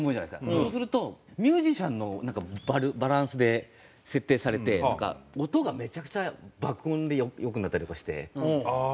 そうするとミュージシャンのバランスで設定されてなんか音がめちゃくちゃ爆音で良くなったりとかして逆に。